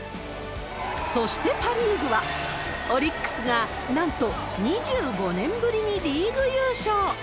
そしてパ・リーグは、オリックスがなんと２５年ぶりにリーグ優勝。